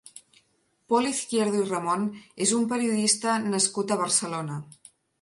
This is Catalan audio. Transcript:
Pol Izquierdo i Ramon és un periodista nascut a Barcelona.